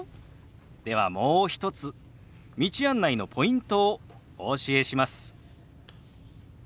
ではもう一つ道案内のポイントをお教えします。